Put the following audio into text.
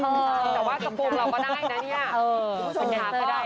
แต่ว่ากระพวกเราก็ได้นะเนี้ยเออ